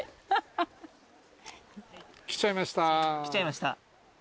来ちゃいました。